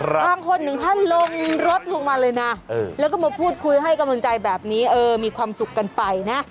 บางคนถึงขั้นลงรถลงมาเลยนะแล้วก็มาพูดคุยให้กำลังใจแบบนี้เออมีความสุขกันไปนะ